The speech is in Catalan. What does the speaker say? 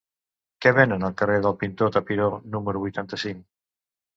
Què venen al carrer del Pintor Tapiró número vuitanta-cinc?